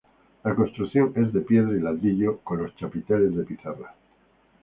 La construcción es de piedra y ladrillo, con los chapiteles de pizarra.